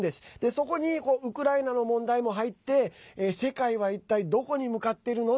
そこにウクライナの問題も入って世界は一体どこに向かってるの？